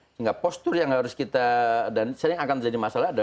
sehingga postur yang harus kita dan sering akan jadi masalah adalah di dalam